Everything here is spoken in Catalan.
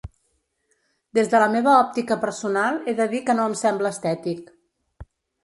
Des de la meva òptica personal, he de dir que no em sembla estètic.